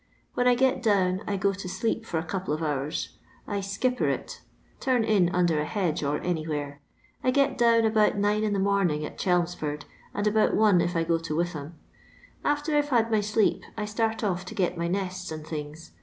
When I get down I go to ileep for ft couple of homrs. I ' skipper it '— tarn in under ft hedge or anywhere. I get down ahont Dine in the mornings at Chelmsford, and about one if I go to Witham. After I 'to had my sleep I start off to get my nests and things.